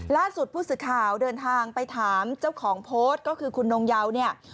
ล่าสุดผู้สื่อข่าวเดินทางไปถามเจ้าของโพสต์ก็คือคุณนงเยาเนี่ย